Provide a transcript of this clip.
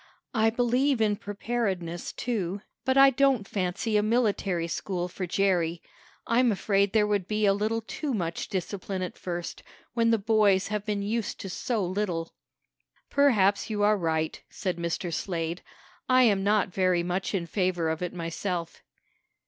"I believe in preparedness, too, but I don't fancy a military school for Jerry. I'm afraid there would be a little too much discipline at first, when the boys have been used to so little." "Perhaps you are right," said Mr. Slade. "I am not very much in favor of it myself."